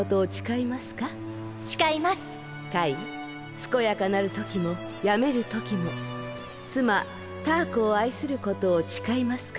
すこやかなるときもやめるときもつまタアコをあいすることをちかいますか？